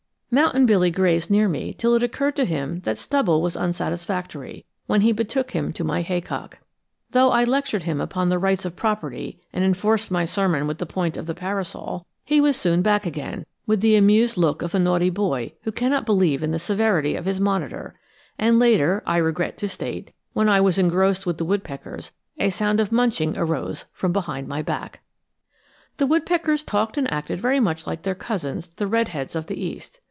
Mountain Billy grazed near me till it occurred to him that stubble was unsatisfactory, when he betook him to my haycock. Though I lectured him upon the rights of property and enforced my sermon with the point of the parasol, he was soon back again, with the amused look of a naughty boy who cannot believe in the severity of his monitor; and later, I regret to state, when I was engrossed with the woodpeckers, a sound of munching arose from behind my back. The woodpeckers talked and acted very much like their cousins, the red heads of the East.